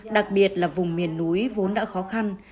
đặc biệt là vùng miền núi vốn đã khó khăn